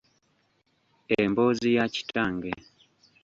Emboozi ya kitange.